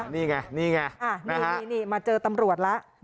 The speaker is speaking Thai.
นี่ไงนี่ไงนี่มาเจอตำรวจแล้ว